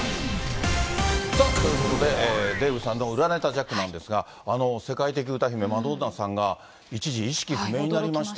さあ、ということで、デーブさんの裏ネタジャックなんですが、世界的歌姫、マドンナさんが一時意識不明になりました。